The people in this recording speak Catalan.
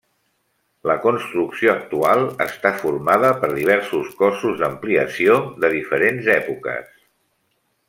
La construcció actual està formada per diversos cossos d'ampliació de diferents èpoques.